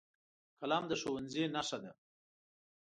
قلم د ښوونځي نښه ده